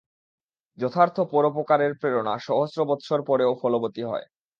যথার্থ পরোপকারের প্রেরণা সহস্র বৎসর পরেও ফলবতী হয়।